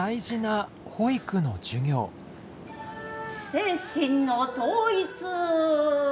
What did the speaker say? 精神の統一。